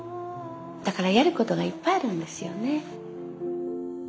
だからやることがいっぱいあるんですよね。